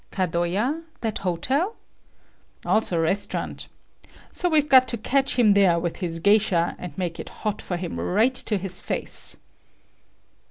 "Kadoya? That hotel?" "Also a restaurant. So we've got to catch him there with his geisha and make it hot for him right to his face."